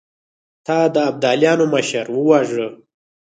تا د ابداليانو مشر وواژه!